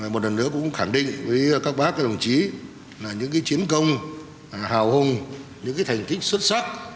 một lần nữa cũng khẳng định với các bác các đồng chí là những chiến công hào hùng những thành tích xuất sắc